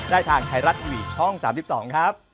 ทางไทยรัฐทีวีช่อง๓๒ครับ